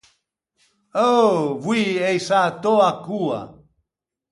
Ou, voî ei sätou a coa!